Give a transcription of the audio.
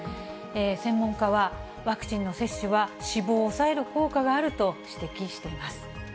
専門家は、ワクチンの接種は死亡を抑える効果があると指摘しています。